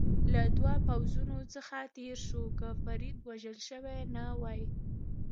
له دوو پوځونو څخه تېر شو، که فرید وژل شوی نه وای.